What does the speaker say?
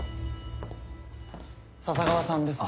笹川さんですね。